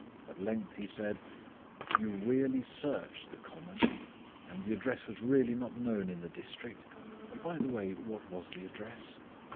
At length he said: "You really searched the common? And the address was really not known in the district by the way, what was the address?"